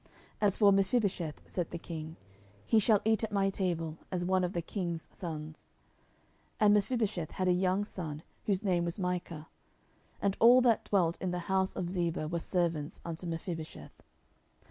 As for Mephibosheth, said the king, he shall eat at my table, as one of the king's sons. 10:009:012 And Mephibosheth had a young son, whose name was Micha. And all that dwelt in the house of Ziba were servants unto Mephibosheth.